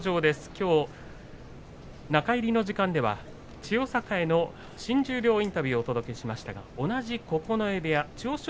きょう中入りの時間では千代栄の新十両インタビューをお届けしましたが同じ九重部屋、千代翔